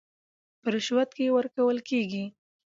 په رشوت کې ورکول کېږي